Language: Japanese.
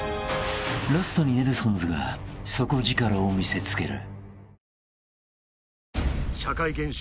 ［ラストにネルソンズが底力を見せつける］